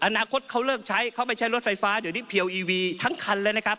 อนาคตเขาเลิกใช้เขาไม่ใช้รถไฟฟ้าเดี๋ยวนี้เพียวอีวีทั้งคันเลยนะครับ